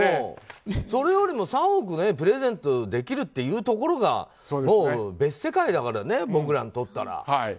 それよりも３億プレゼントできるところがもう別世界だから僕らにとったら。